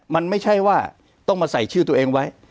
มันไม่ใช่ว่าต้องมาใส่ชื่อตัวเองไว้